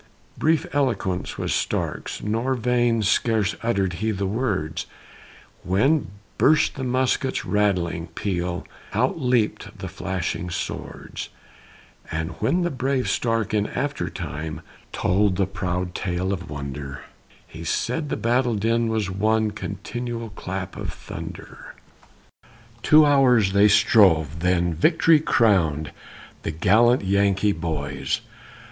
Brief eloquence was Stark's nor vain Scarce utter'd he the words, When burst the musket's rattling peal Out leap'd the flashing swords; And when brave Stark in after time Told the proud tale of wonder, He said the battle din was one "Continual clap of thunder." Two hours they strove then victory crown'd The gallant Yankee boys.